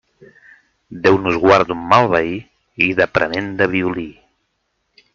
Déu nos guard d'un mal veí, i d'aprenent de violí.